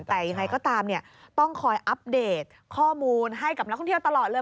แต่ยังไงก็ตามต้องคอยอัปเดตข้อมูลให้กับนักท่องเที่ยวตลอดเลย